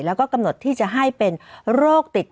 และกำหนดให้เป็นโรคติดต่อ